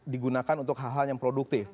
digunakan untuk hal hal yang produktif